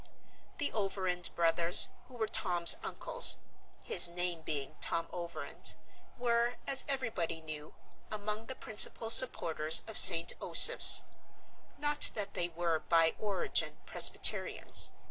The Overend brothers, who were Tom's uncles (his name being Tom Overend) were, as everybody knew, among the principal supporters of St. Osoph's. Not that they were, by origin, presbyterians.